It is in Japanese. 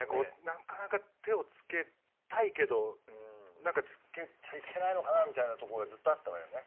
なかなか手を付けたいけどなんか付けちゃいけないのかなみたいなとこがずっとあったわよね。